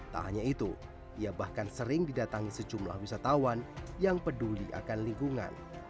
tak hanya itu ia bahkan sering didatangi sejumlah wisatawan yang peduli akan lingkungan